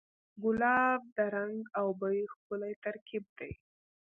ګلاب د رنګ او بوی ښکلی ترکیب دی.